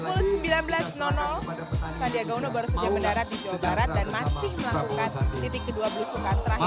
pukul sembilan belas sandiaga uno baru saja mendarat di jawa barat dan masih melakukan titik kedua belusukan terakhir